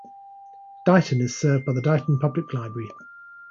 Dighton is served by the Dighton Public Library.